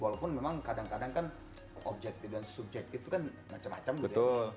walaupun memang kadang kadang kan objektif dan subjektif itu kan macam macam gitu ya